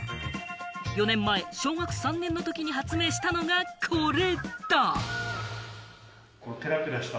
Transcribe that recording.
４年前、小学３年のときに発明したのがこれだ！